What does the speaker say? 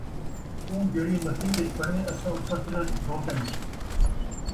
توں جیڑھی مسیت ءِچ پڑھیں، اساں اُتھاں سلھاں ڈوھوٹن